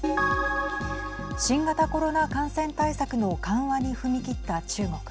新型コロナ感染対策の緩和に踏み切った中国。